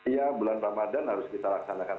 ya bulan ramadhan harus kita laksanakan